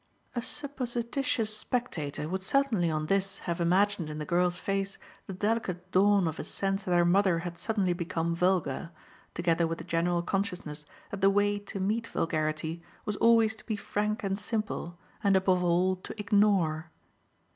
A supposititious spectator would certainly on this have imagined in the girl's face the delicate dawn of a sense that her mother had suddenly become vulgar, together with a general consciousness that the way to meet vulgarity was always to be frank and simple and above all to ignore.